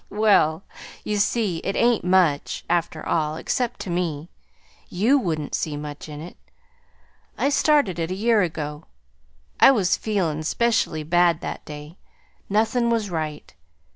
"Well, you see, it ain't much, after all, except to me. YOU wouldn't see much in it. I started it a year ago. I was feelin' 'specially bad that day. Nothin' was right.